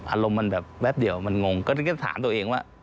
อารมณ์วันนี้แบบแว๊บเดี่ยวนั้นคือถามตัวเองว่า